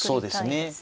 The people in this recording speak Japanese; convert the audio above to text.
そうですね。